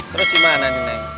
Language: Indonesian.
terus gimana nih neng